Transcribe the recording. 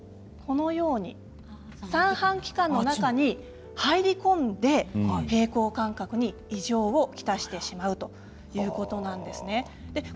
三半規管の中に入り込んで平衡感覚に異常を来してしまうということなんですね。